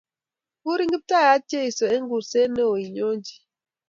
Kurin Kiptayat Jesu eng kuurset ne o inyonjin